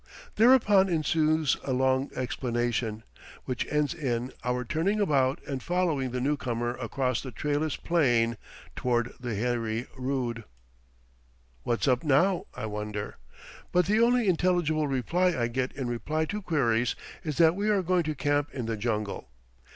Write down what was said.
Thereupon ensues a long explanation, which ends in, our turning about and following the new comer across the trailless plain toward the Heri Rood. "What's up now?" I wonder; but the only intelligible reply I get in reply to queries is that we are going to camp in the jungle.